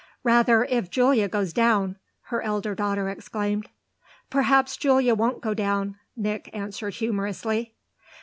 "Rather if Julia goes down!" her elder daughter exclaimed. "Perhaps Julia won't go down!" Nick answered humorously.